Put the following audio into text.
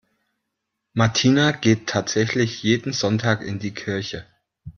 Martina geht tatsächlich jeden Sonntag in die Kirche.